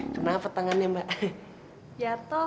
kenapa tangannya mbak ya toh